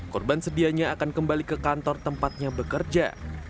korban sedianya akan kembali ke kantor tempatnya bekerja